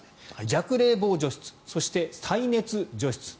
弱冷房除湿そして、再熱除湿。